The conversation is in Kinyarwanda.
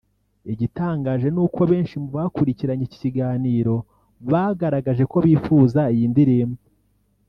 Igitangaje ni uko benshi mu bakurikiranye iki kiganiro bagaragaje ko bifuza iyi ndirimbo